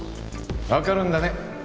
分かるんだね